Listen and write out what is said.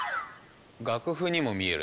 楽譜にも見えるな。